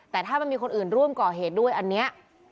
แต่ถ้ามันมีคนอื่นร่วมก่อเหตุด้วยอันนี้